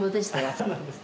そうなんですね。